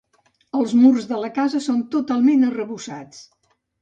Els murs de la casa són totalment arrebossats.